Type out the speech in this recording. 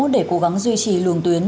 để cố gắng duy trì luồng tuyến